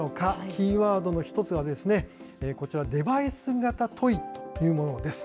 キーワードの一つは、こちら、デバイス型トイというものです。